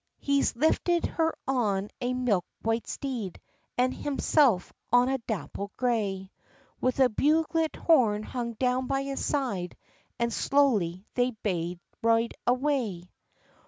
— He's lifted her on a milk white steed, And himself on a dapple grey. With a bugelet horn hung down by his side, And slowly they baith rade away.